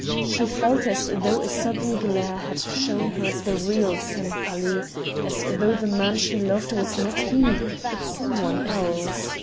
She felt as though a sudden glare had shown her the real Sempaly as though the man she loved was not he, but some one else.